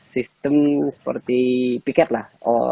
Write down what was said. sistem seperti piket lah